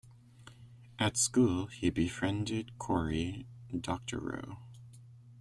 At school, he befriended Cory Doctorow.